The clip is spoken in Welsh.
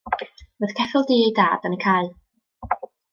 Mi oedd ceffyl du ei dad yn y cae.